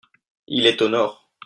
Il est au nord.